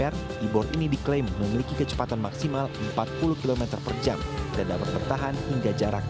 e board ini diklaim memiliki kecepatan maksimal empat puluh km per jam dan dapat bertahan hingga jarak dua belas lima belas km